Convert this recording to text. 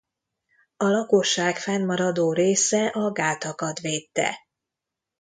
A lakosság fennmaradó része a gátakat védte.